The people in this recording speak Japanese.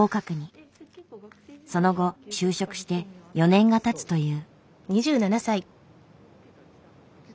その後就職して４年がたつという。